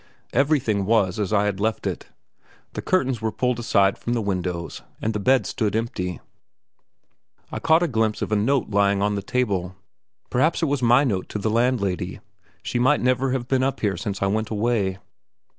Everything was as I had left it. The curtains were pulled aside from the windows, and the bed stood empty. I caught a glimpse of a note lying on the table; perhaps it was my note to the landlady she might never have been up here since I went away.